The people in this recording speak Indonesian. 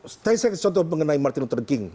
saya contoh mengenai martin luther king